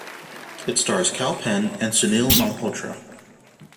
It stars Kal Penn and Sunil Malhotra.